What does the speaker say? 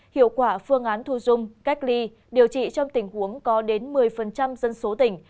hiệu quả phương án thu dung cách ly điều trị trong tình huống có đến một mươi dân số tỉnh